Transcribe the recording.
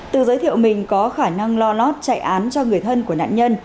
từ giới thiệu mình có khả năng lo lót chạy án cho người thân của nạn nhân